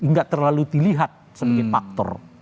nggak terlalu dilihat sebagai faktor